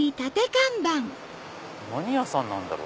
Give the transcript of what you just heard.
何屋さんなんだろう？